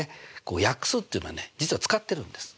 約数っていうのはね実は使ってるんです。